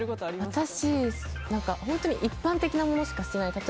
私、本当に一般的なものしかしてないです。